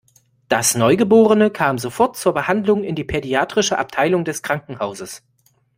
Das Neugeborene kam sofort zur Behandlung in die pädiatrische Abteilung des Krankenhauses.